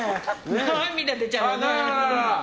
涙出ちゃうよね。